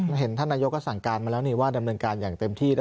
เห็นท่านนายกก็สั่งการมาแล้วนี่ว่าดำเนินการอย่างเต็มที่